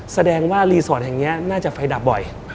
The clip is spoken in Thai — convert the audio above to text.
แสดงว่ารีสอร์ทแห่งนี้น่าจะไฟดับบ่อย